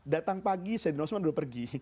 datang pagi sayyidina usman sudah pergi